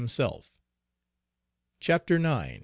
CHAPTER IX.